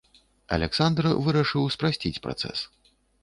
Аляксандр вырашыў спрасціць працэс.